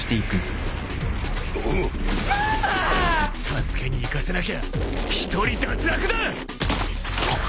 助けに行かせなきゃ１人脱落だ！